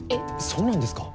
そうなんですか？